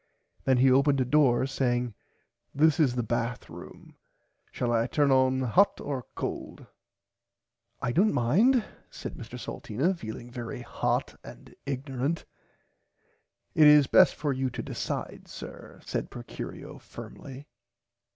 Then he opened a door saying This is the bath room shall I turn on hot or cold. [Pg 61] I dont mind said Mr Salteena feeling very hot and ignorant. It is best for you to decide sir said Procurio firmly.